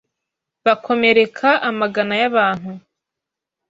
bakomereka amagana yabantu